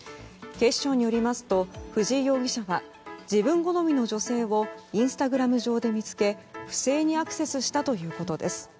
警視庁によりますと藤井容疑者は自分好みの女性をインスタグラム上で見つけ不正にアクセスしたということです。